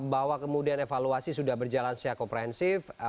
bahwa kemudian evaluasi sudah berjalan secara komprehensif